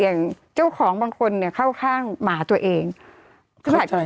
อย่างเจ้าของบางคนนี้เข้าข้างหมาตัวเองเข้าใจพิจัย